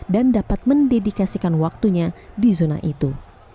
dan dapat mendedikasikan waktunya di zona itu